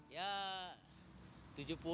ya tujuh puluh delapan puluh ribu lah